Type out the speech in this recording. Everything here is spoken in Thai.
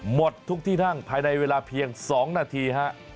หมดทุกที่นั่งภายในเวลาเพียง๒นาทีฮะ